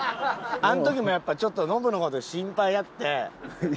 あの時もやっぱちょっとノブの事心配やって。